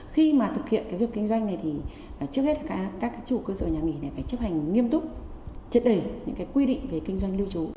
khi mà thực hiện cái việc kinh doanh này thì trước hết là các chủ cơ sở nhà nghỉ này phải chấp hành nghiêm túc chất đầy những quy định